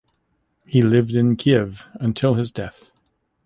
He lived in Kyiv until his death.